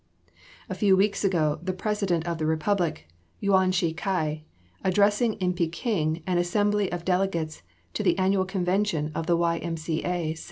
A few weeks ago the President of the Republic, Yuan Shi Kai, addressing in Peking an assembly of delegates to the Annual Convention of the Y. M. C. A.